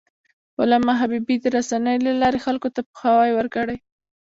علامه حبيبي د رسنیو له لارې خلکو ته پوهاوی ورکړی.